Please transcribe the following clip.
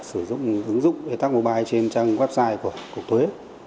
sử dụng ứng dụng e tac mobile trên trang website của cục thuế